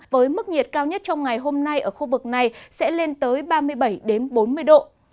với mức nhiệt cao nhất trong ngày hôm nay ở khu vực này sẽ lên tới ba mươi bảy bốn mươi độ